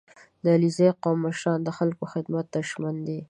• د علیزي قوم مشران د خلکو خدمت ته ژمن دي.